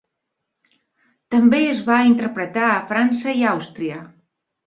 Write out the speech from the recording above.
També es va interpretar a França i Àustria.